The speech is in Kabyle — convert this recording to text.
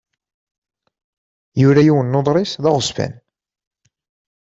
Yura yiwen n uḍris d aɣezzfan.